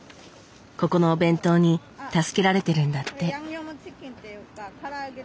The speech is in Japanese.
ここのお弁当に助けられてるんだって。